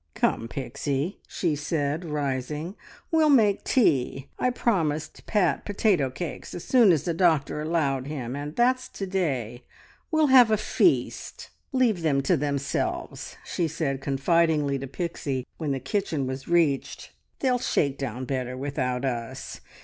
"Come, Pixie," she said, rising, "we'll make tea! I promised Pat potato cakes as soon as the doctor allowed them, and that's to day. We'll have a feast! " "Leave them to themselves," she said confidingly to Pixie when the kitchen was reached. "They'll shake down better without us.